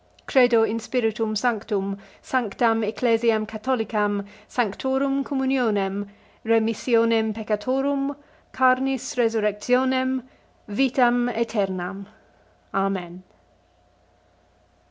Credo in Spiritum Sanctum; sanctam ecclesiam catholicam; sanctorum communionem; remissionem peccatorum; carnis resurrectionem; vitam oeternam. Amen.